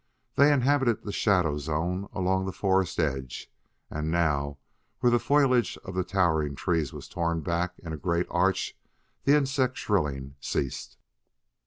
They inhabited the shadowed zone along the forest edge. And now, where the foliage of the towering trees was torn back in a great arch, the insect shrilling ceased.